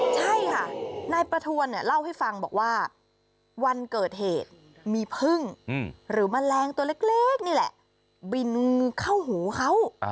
ใช่ค่ะนายประทวนเนี่ยเล่าให้ฟังบอกว่าวันเกิดเหตุมีพึ่งหรือแมลงตัวเล็กนี่แหละบินเข้าหูเขา